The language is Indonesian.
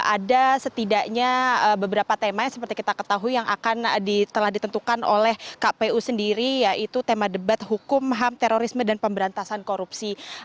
ada setidaknya beberapa tema yang seperti kita ketahui yang akan telah ditentukan oleh kpu sendiri yaitu tema debat hukum ham terorisme dan pemberantasan korupsi